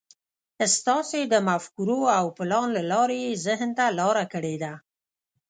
ستاسې د مفکورو او پلان له لارې يې ذهن ته لاره کړې ده.